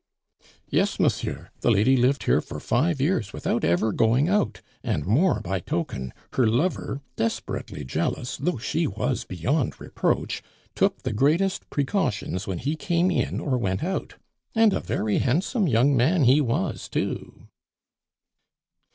"Yes, monsieur, the lady lived here for five years without ever going out, and more by token, her lover, desperately jealous though she was beyond reproach, took the greatest precautions when he came in or went out. And a very handsome young man he was too!"